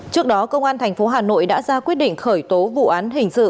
trước đó công an tp hà nội đã ra quyết định khởi tố vụ án hình sự